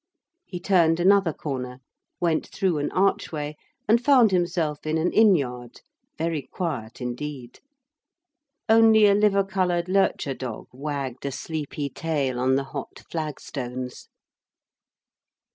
He turned another corner, went through an archway, and found himself in an inn yard very quiet indeed. Only a liver coloured lurcher dog wagged a sleepy tail on the hot flag stones.